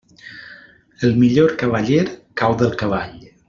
El millor cavaller cau del cavall.